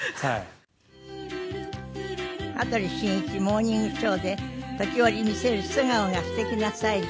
『羽鳥慎一モーニングショー』で時折見せる素顔がすてきな才女。